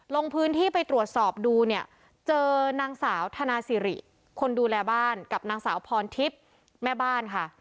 ลงพื้นที่ไปตรวจสอบดูเนี่ยเจอนางสาวธนาสิริคนดูแลบ้านกับนางสาวพรทิพย์แม่บ้านค่ะ